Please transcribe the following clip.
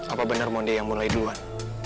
apa bener mondi yang mulai duluan